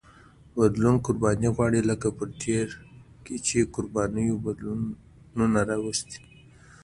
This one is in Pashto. بدلون قرباني غواړي لکه په تېر کې چې قربانیو بدلونونه راوستي.